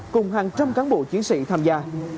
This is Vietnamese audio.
cùng hàng trăm cán bộ chiến sĩ tham gia